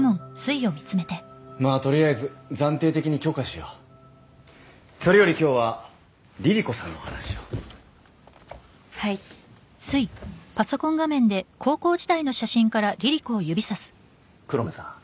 まあとりあえず暫定的に許可しようそれより今日はリリ子さんの話をはい黒目さん